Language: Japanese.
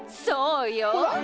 そうよ。